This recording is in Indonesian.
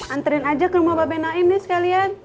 anterin aja ke rumah bapak benaim nih sekalian